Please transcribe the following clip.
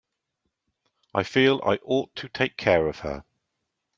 I feel I ought to take care of her.